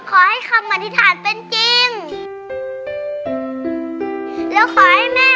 แล้วขอให้แม่ออกมาเลย